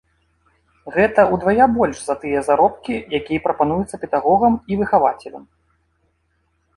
Гэта ўдвая больш за тыя заробкі, якія прапануюцца педагогам і выхавацелям.